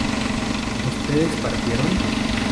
¿ustedes partieron?